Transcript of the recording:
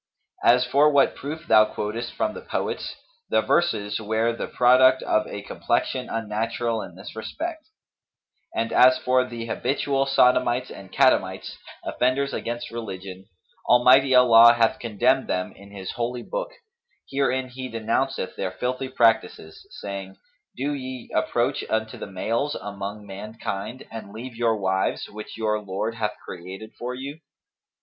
As for what proof thou quotest from the poets, the verses were the product of a complexion unnatural in this respect; and as for the habitual sodomites and catamites, offenders against religion, Almighty Allah hath condemned them in His Holy Book,[FN#243] herein He denounceth their filthy practices, saying, 'Do ye approach unto the males among mankind[FN#244] and leave your wives which your Lord hath created for you?